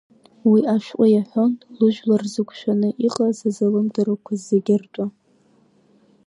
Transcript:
Уи ашәҟәы иаҳәон лыжәлар зықәшәаны иҟаз азалымдарақәа зегьы ртәы.